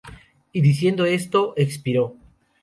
Y diciendo esto, expiró.